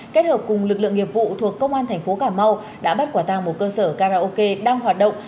kết hợp cùng lực lượng nghiệp vụ thuộc công an tp cà mau đã bắt quả tàng một cơ sở karaoke đang hoạt động